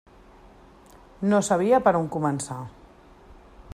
No sabia per on començar.